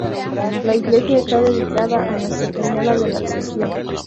La iglesia está dedicada a Nuestra Señora de la Asunción.